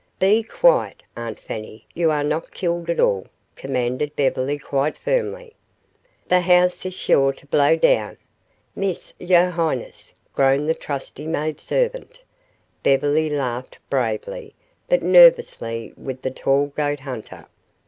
"Be quiet, Aunt Fanny; you are not killed at all," commanded Beverly, quite firmly. "De house is suah to blow down. Miss yo' highness," groaned the trusty maidservant. Beverly laughed bravely but nervously with the tall goat hunter.